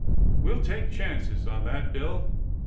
"We'll take chances on that, Bill."